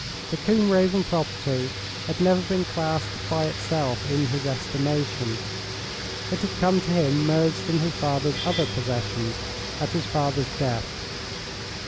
The Combe Raven property had never been classed by itself in his estimation. It had come to him merged in his father's other possessions, at his father's death.